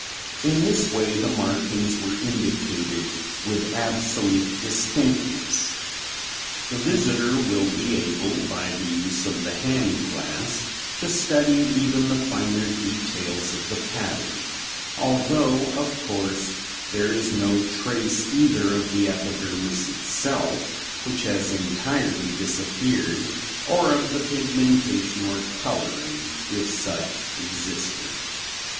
In this way the markings were indicated with absolute distinctness, ... the visitor will be able by the use of the hand glass to study even the finer details of the pattern, although of course there is no trace either of the epidermis itself, which has entirely disappeared, or of the pigmentation or coloring, if such existed.